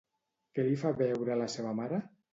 Què li fa veure a la seva mare?